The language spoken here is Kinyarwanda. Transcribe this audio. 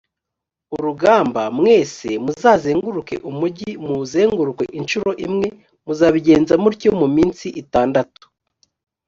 urugamba mwese muzazenguruke umugi muwuzenguruke incuro imwe muzabigenze mutyo mu minsi itandatu